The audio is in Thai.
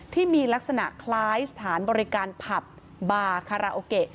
ที่มีลักษณะคล้ายสถานบริการผับบาคาราโอเกะ